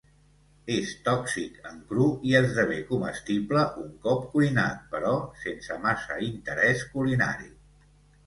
És tòxic en cru i esdevé comestible un cop cuinat, però sense massa interés culinari.